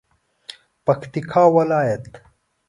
پکتیا ولایت